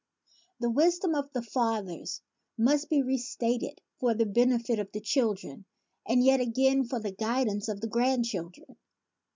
The wisdom of the fathers must be restated for the benefit of the children, and yet again for the guidance of the grand children.